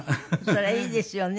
それいいですよね